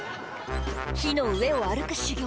火の上を歩く修行